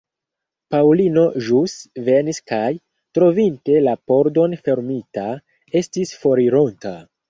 Paŭlino ĵus venis kaj, trovinte la pordon fermita, estis forironta.